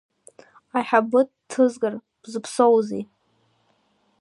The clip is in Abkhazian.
Аиҳабы дҭызгар бзыԥсоузеи?